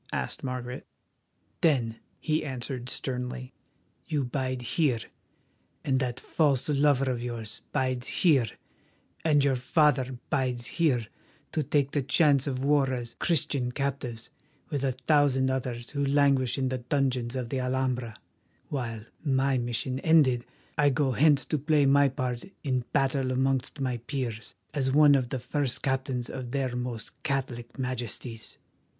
asked Margaret. "Then," he answered sternly, "you bide here, and that false lover of yours bides here, and your father bides here to take the chance of war as Christian captives with a thousand others who languish in the dungeons of the Alhambra, while, my mission ended, I go hence to play my part in battle amongst my peers, as one of the first captains of their Most Catholic Majesties.